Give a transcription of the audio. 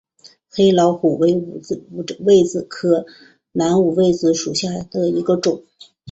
黑老虎为五味子科南五味子属下的一个种。